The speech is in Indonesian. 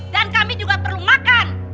dan kami juga perlu makan